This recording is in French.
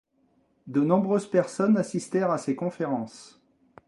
De nombreuses personnes assistèrent à ses conférences.